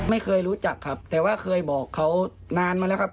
ไม่เคยรู้จักครับแต่ว่าเคยบอกเขานานมาแล้วครับ